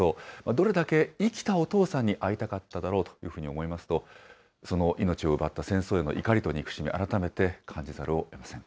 どれだけ生きたお父さんに会いたかっただろうというふうに思いますと、その命を奪った戦争への怒りと憎しみ、改めて感じざるをえません。